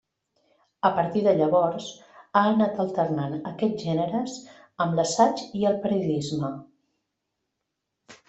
A partir de llavors, ha anat alternant aquests gèneres amb l'assaig i el periodisme.